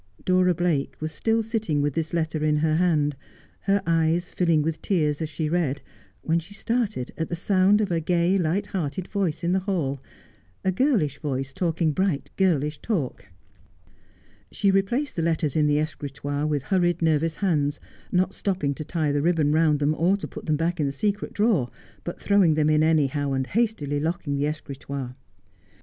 Dora Blake was still sitting with this letter in her hand, her eyes filling with tears as she read, when she started at the sound of a gay, light hearted voice in the hall — a girlish voice talking bright, girlish talk. She replaced the letters in the escritoire with hurried, nervous hands, not stopping to tie the ribbon round them, or to Eut them back in the secret drawer, but throwing them in any ow, and hastily locking the escritoire.